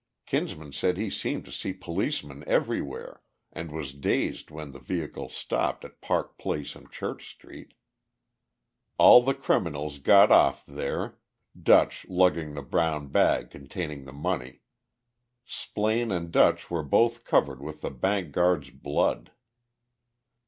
Kinsman said he seemed to see policemen everywhere, and was dazed when the vehicle stopped at Park Place and Church street. All the criminals got off there, "Dutch" lugging the brown bag containing the money. Splaine and "Dutch" were both covered with the bank guards' blood.